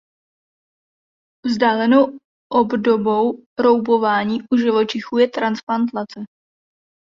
Vzdálenou obdobou roubování u živočichů je transplantace.